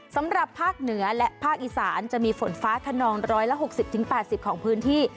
สำหรับภาคเหนือและภาคอีสานจะมีฝนฟ้าคานองร้อยละหกสิบถึงประสิบของพื้นที่